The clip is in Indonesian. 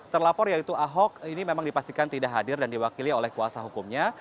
terlapor yaitu ahok ini memang dipastikan tidak hadir dan diwakili oleh kuasa hukumnya